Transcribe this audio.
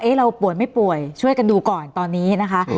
เราป่วยไม่ป่วยช่วยกันดูก่อนตอนนี้นะคะ